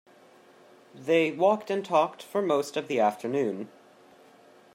They walked and talked for most of the afternoon.